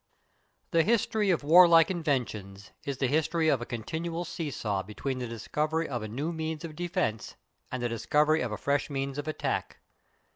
The history of warlike inventions is the history of a continual see saw between the discovery of a new means of defence and the discovery of a fresh means of attack.